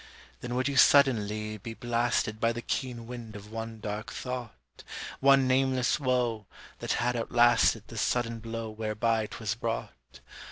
Then would you suddenly be blasted By the keen wind of one dark thought, One nameless woe, that had outlasted The sudden blow whereby 'twas brought.